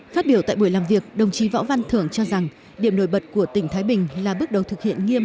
phát biểu tại buổi làm việc đồng chí võ văn thưởng cho rằng điểm nổi bật của tỉnh thái bình là bước đầu thực hiện nghiêm